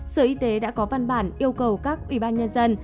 sở y tế đã có văn bản yêu cầu các ủy ban nhân dân